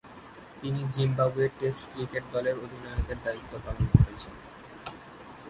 তিনি জিম্বাবুয়ের test cricket দলের অধিনায়কের দায়িত্ব পালন করেছেন।